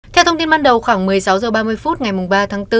theo thông tin ban đầu khoảng một mươi sáu h ba mươi phút ngày ba tháng bốn